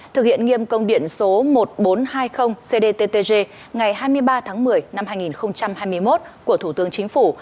thực hiện nghiêm công điện số một nghìn bốn trăm hai mươi cdttg ngày hai mươi ba tháng một mươi năm hai nghìn hai mươi một của thủ tướng chính phủ